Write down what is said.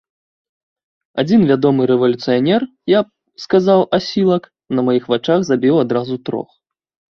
Адзін вядомы рэвалюцыянер, я б сказаў асілак, на маіх вачах забіў адразу трох.